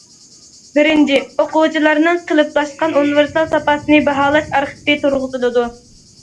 بىرىنچى، ئوقۇغۇچىلارنىڭ قېلىپلاشقان ئۇنىۋېرسال ساپاسىنى باھالاش ئارخىپى تۇرغۇزۇلىدۇ.